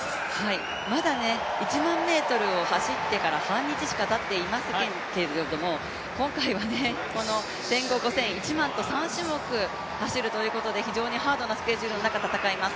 まだ１００００ｍを走ってから半日しかたっていませんけれども、今回は１５００、５０００、１００００と３種目走るということで非常にハードなスケジュールの中戦います。